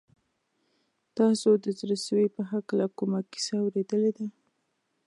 تاسو د زړه سوي په هکله کومه کیسه اورېدلې ده؟